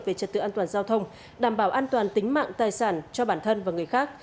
về trật tự an toàn giao thông đảm bảo an toàn tính mạng tài sản cho bản thân và người khác